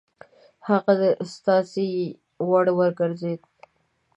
هغه د ستاينې وړ وګرځېد.